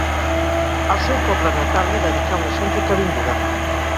El seu poble natal li dedicà una cèntrica avinguda.